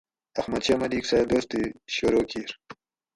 احمد شاہ ملیک سہ دوستی شروع کیر